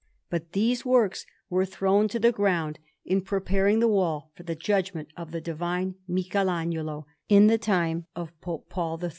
But these works were thrown to the ground in preparing the wall for the Judgment of the divine Michelagnolo, in the time of Pope Paul III.